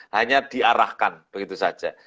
hanya diarahkan begitu saja